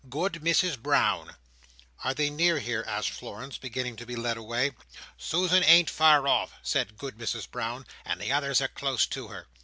"Good Mrs Brown." "Are they near here?" asked Florence, beginning to be led away. "Susan ain't far off," said Good Mrs Brown; "and the others are close to her."